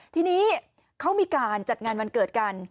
ทีนี้เขามีการจัดงานวันเกิดกัน